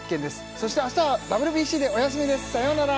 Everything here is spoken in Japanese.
そして明日はＷＢＣでお休みですさよなら